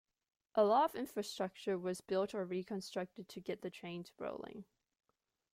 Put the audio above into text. A lot of infrastructure was built or reconstructed to get the trains rolling.